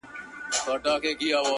داسې ښکاري چې پاکستان